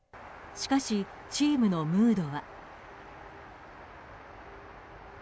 しかし、チームのムードは。